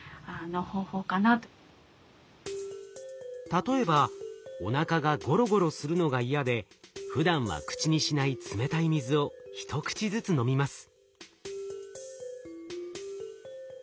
例えばおなかがゴロゴロするのが嫌でふだんは口にしない冷たい水を一口ずつ飲みます。